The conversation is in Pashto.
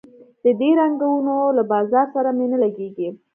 د دې رنګونو له بازار سره مي نه لګیږي